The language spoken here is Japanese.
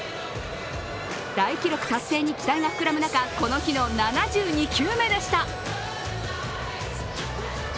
大記録達成に期待が膨らむ中、この日の７２球目でした。